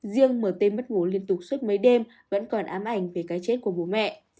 riêng mt mất ngủ liên tục suốt mấy đêm vẫn còn ám ảnh về cái chết của bố mẹ